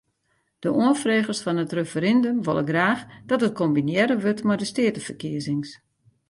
De oanfregers fan it referindum wolle graach dat it kombinearre wurdt mei de steateferkiezings.